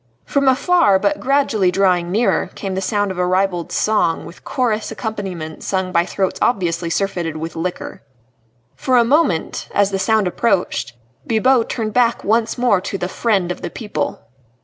From afar, but gradually drawing nearer, came the sound of a ribald song, with chorus accompaniment sung by throats obviously surfeited with liquor. For a moment as the sound approached Bibot turned back once more to the Friend of the People.